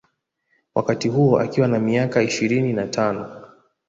Wakati huo akiwa na miaka ishirini na tano